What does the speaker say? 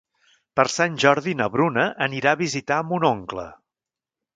Per Sant Jordi na Bruna anirà a visitar mon oncle.